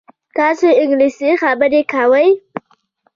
تاسو انګلیسي خبرې کوئ؟